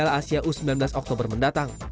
piala asia u sembilan belas oktober mendatang